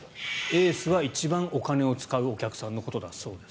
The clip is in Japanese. エースは一番お金を使うお客さんのことだそうです。